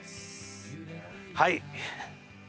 はい。